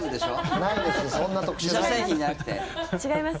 違います。